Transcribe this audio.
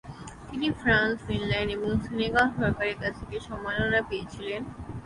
তিনি France, Finland এবং Senegal সরকারের কাছ থেকে সম্মাননা পেয়েছিলেন।